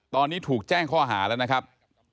ตอนนี้ถูกแจ้งข้อหาแล้วนะครับ